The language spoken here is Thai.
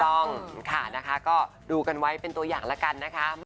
ต้องค่ะนะคะก็ดูกันไว้เป็นตัวอย่างละกันนะคะ